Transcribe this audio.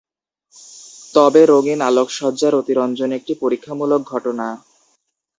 তবে রঙিন আলোকসজ্জার অতিরঞ্জন একটি পরীক্ষামূলক ঘটনা।